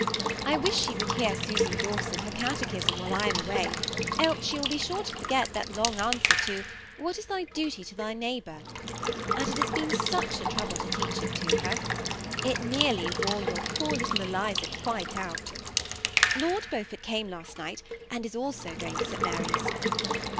I wish she would hear Susan Dawson her catechism while I am away, else she will be sure to forget that long answer to ^What is thy duty to thy neighbor?' And it has been such a trouble to teach it to her. It nearly wore 90 THB BEMf^ATTACHSD OOtJPLC!^ yoar poor little Eliza quite oat. Lord Beaufort cam^ last night, and is also going to St Mary's.